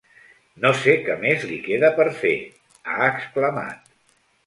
“No sé què més li queda per fer”, ha exclamat.